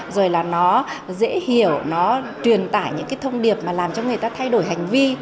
rồi là nó dễ hiểu nó truyền tải những cái thông điệp mà làm cho người ta thay đổi hành vi